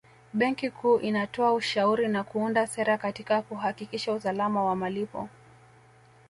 Benki Kuu inatoa ushauri na kuunda sera katika kuhakikisha usalama wa malipo